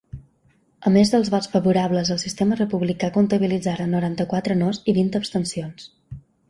A més dels vots favorables al sistema republicà comptabilitzaren noranta-quatre nos i vint abstencions.